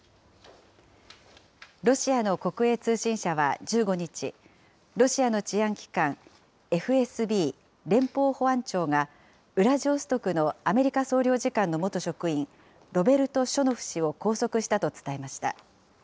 ロシアの国営通信社は１５日、ロシアの治安機関、ＦＳＢ・連邦保安庁が、ウラジオストクのアメリカ総領事館の元職員、ロベルト・ショノフ氏を拘束したと伝えました。